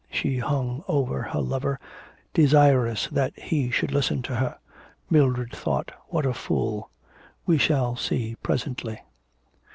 She hung over her lover, desirous that he should listen to her. Mildred thought, 'What a fool.... We shall see presently.'